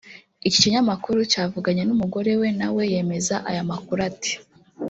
Iki kinyamakuru cyavuganye n’umugore we nawe yemeza aya amakuru ati